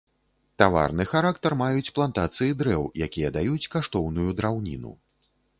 Таварны характар маюць плантацыі дрэў, якія даюць каштоўную драўніну.